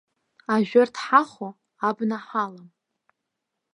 Ажәырҭ ҳахо абна ҳалам.